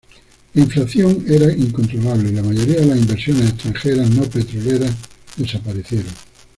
La inflación era incontrolable y la mayoría de las inversiones extranjeras no petroleras desaparecieron.